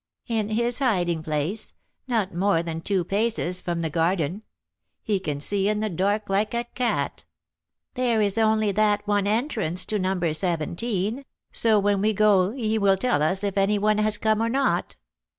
"In his hiding place, not more than two paces from the garden. He can see in the dark like a cat. There is only that one entrance to No. 17, so when we go he will tell us if any one has come or not."